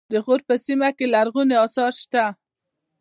د غور په سیمه کې لرغوني اثار شته